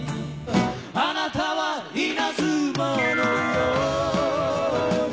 「あなたは稲妻のように」